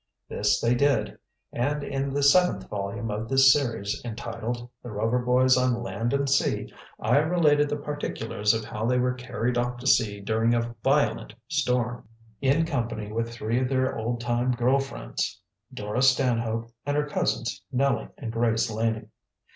This they did, and in the seventh volume of this series, entitled "The Rover Boys on Land and Sea," I related the particulars of how they were carried off to sea during a violent storm, in company with three of their old time girl friends, Dora Stanhope and her cousins, Nellie and Grace Laning.